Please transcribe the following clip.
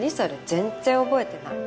全然覚えてない。